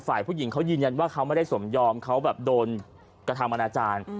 ฝ่ายผู้หญิงเขายืนยันว่าเขาไม่ได้สมยอมเขาแบบโดนกระทำอนาจารย์